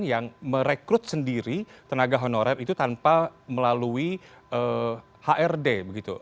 yang merekrut sendiri tenaga honorer itu tanpa melalui hrd begitu